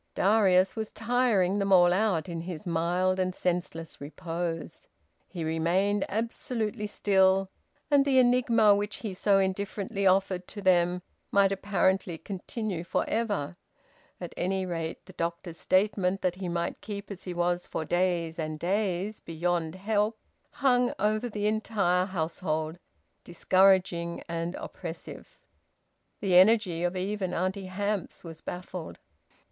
Darius was tiring them all out, in his mild and senseless repose. He remained absolutely still, and the enigma which he so indifferently offered to them might apparently continue for ever; at any rate the doctor's statement that he might keep as he was for days and days, beyond help, hung over the entire household, discouraging and oppressive. The energy of even Auntie Hamps was baffled.